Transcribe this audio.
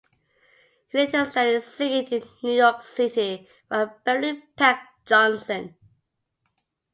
He later studied singing in New York City with Beverley Peck Johnson.